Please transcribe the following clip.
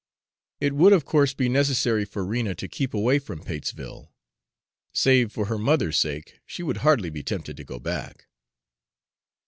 It would of course be necessary for Rena to keep away from Patesville; save for her mother's sake, she would hardly be tempted to go back.